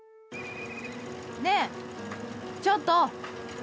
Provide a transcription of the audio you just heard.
ねえ、ちょっと！